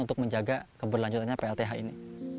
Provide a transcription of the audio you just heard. untuk menjaga keberlanjutannya plth ini